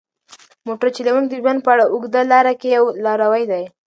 موټر چلونکی د ژوند په دې اوږده لاره کې یو لاروی دی.